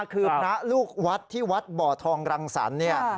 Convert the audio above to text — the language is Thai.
คือพระลูกวัดที่วัดบ่อทองรังสรรค์เนี่ย